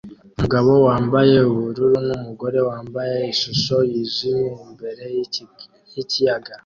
Umugabo wambaye ubururu numugore wambaye ishusho yijimye imbere yikiyaga